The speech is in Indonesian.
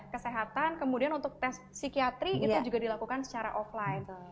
kesehatan kemudian untuk tes psikiatri itu juga dilakukan secara offline